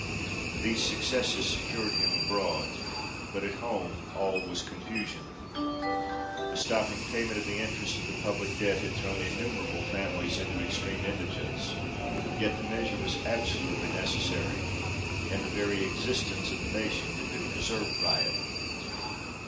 These successes secured him abroad, but at home all was con fusion. The stopping payment of the interest of the public debt had thrown innumerable families into extreme indigence ; yet the measure was absolutely necessary, and the very existence of the nation had been preserved by it.